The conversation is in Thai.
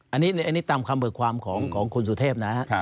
อันนี้ตามคำเบิกความของคุณสุเทพนะฮะ